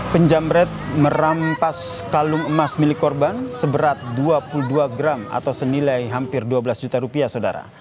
penjamret merampas kalung emas milik korban seberat dua puluh dua gram atau senilai hampir dua belas juta rupiah saudara